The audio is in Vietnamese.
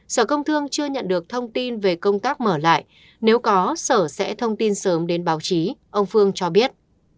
sở công thương chưa nhận được thông tin về công tác mở lại nếu có sở sẽ thông tin sớm đến báo chí ông phương cho biết